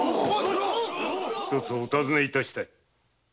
一つお尋ねしたい。